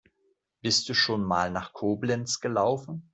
Bist du schon mal nach Koblenz gelaufen?